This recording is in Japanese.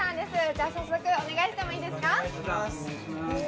じゃあ、早速お願いしてもいいですか。